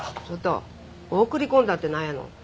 ちょっと「送り込んだ」ってなんやの？